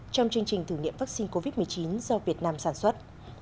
trong chương trình thử nghiệm vaccine covid một mươi chín do việt nam sản xuất